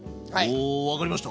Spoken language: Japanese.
おお分かりました！